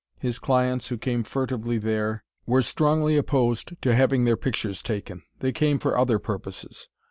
His clients, who came furtively there, were strongly opposed to having their pictures taken they came for other purposes.